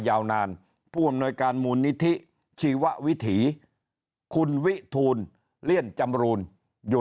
ยาวนานผู้อำนวยการมูลนิธิชีววิถีคุณวิทูลเลี่ยนจำรูนอยู่